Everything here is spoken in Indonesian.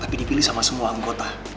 tapi dipilih sama semua anggota